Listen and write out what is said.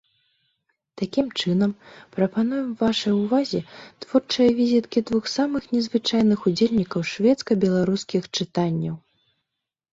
Такім чынам, прапануем вашай увазе творчыя візіткі двух самых незвычайных удзельнікаў шведска-беларускіх чытанняў.